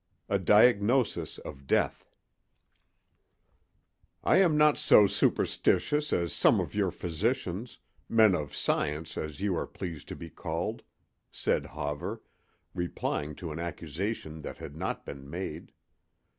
A DIAGNOSIS OF DEATH "I am not so superstitious as some of your physicians—men of science, as you are pleased to be called," said Hawver, replying to an accusation that had not been made.